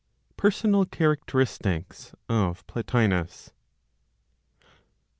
PERSONAL CHARACTERISTICS OF PLOTINOS.